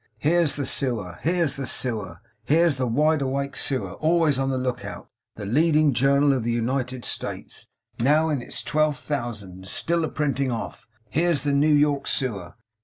Here's the Sewer, here's the Sewer! Here's the wide awake Sewer; always on the lookout; the leading Journal of the United States, now in its twelfth thousand, and still a printing off: Here's the New York Sewer!